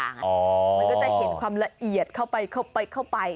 มันก็จะเห็นความละเอียดเข้าไป